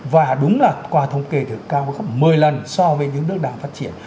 và đúng là qua thống kê thì cao gấp một mươi lần so với những nước đang phát triển